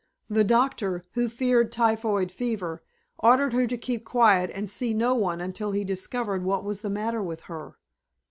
The doctor, who feared typhoid fever, ordered her to keep quiet and see no one until he discovered what was the matter with her.